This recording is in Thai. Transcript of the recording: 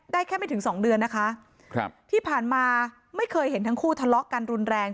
แค่ไม่ถึงสองเดือนนะคะครับที่ผ่านมาไม่เคยเห็นทั้งคู่ทะเลาะกันรุนแรง